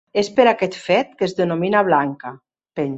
És per aquest fet que es denomina blanca.